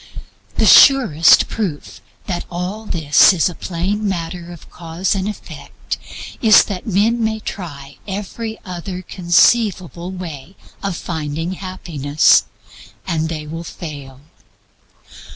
The surest proof that all this is a plain matter of Cause and Effect is that men may try every other conceivable way of finding happiness, and they will fail.